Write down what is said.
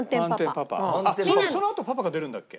そのあとパパが出るんだっけ？